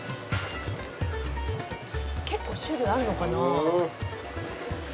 「結構種類あるのかな？」